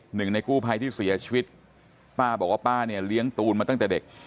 หนึ่งในกู้ภัยที่เสียชีวิตป้าบอกว่าป้าเนี่ยเลี้ยงตูนมาตั้งแต่เด็ก